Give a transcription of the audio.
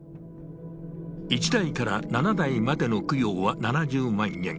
１代から７代までの供養は７０万円。